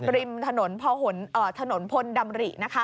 ริมพลดำหรี่